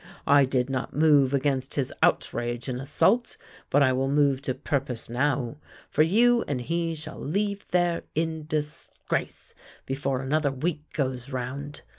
1 did not move against his outrage and assault, but I will move to purpose now. For you and he shall leave there in disgrace before another week goes round.